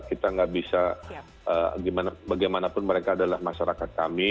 kita nggak bisa bagaimanapun mereka adalah masyarakat kami